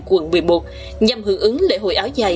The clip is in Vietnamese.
quận một mươi một nhằm hưởng ứng lễ hội áo dài